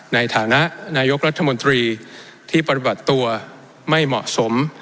ในฐานะนายกรัฐมนตรีที่ปฏิบัติตัวไม่เหมาะสม